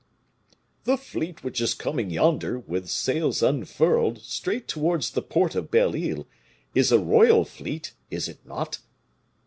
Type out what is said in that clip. "The fleet which is coming yonder, with sails unfurled, straight towards the port of Belle Isle, is a royal fleet, is it not?"